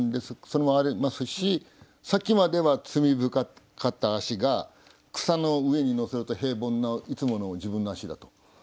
それもありますしさっきまでは罪深かった足が草の上にのせると平凡ないつもの自分の足だと。